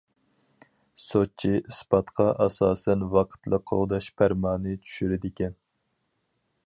سوتچى ئىسپاتقا ئاساسەن ۋاقىتلىق قوغداش پەرمانى چۈشۈرىدىكەن.